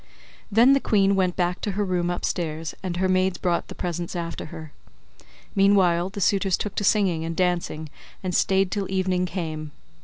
Then the queen went back to her room upstairs, and her maids brought the presents after her. Meanwhile the suitors took to singing and dancing, and stayed till evening came.